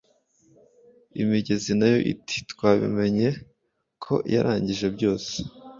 imigezi nayo iti twabimenye ko yarangije byose